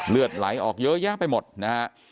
เลือดไหลออกเยอะแยะไปหมดนะฮะ